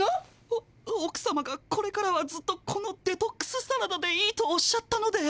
おおく様が「これからはずっとこのデトックスサラダでいい」とおっしゃったので。